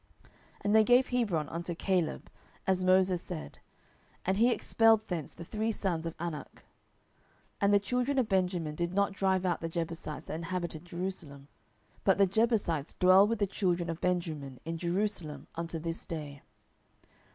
07:001:020 And they gave Hebron unto Caleb, as Moses said: and he expelled thence the three sons of Anak. 07:001:021 And the children of Benjamin did not drive out the Jebusites that inhabited Jerusalem; but the Jebusites dwell with the children of Benjamin in Jerusalem unto this day.